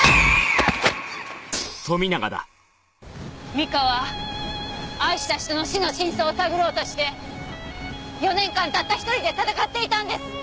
美香は愛した人の死の真相を探ろうとして４年間たった１人で戦っていたんです。